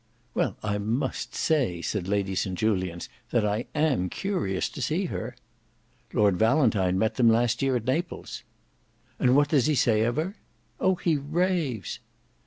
"Well, I must say," said Lady St Julians, "that I am curious to see her." "Lord Valentine met them last year at Naples." "And what does he say of her." "Oh! he raves!"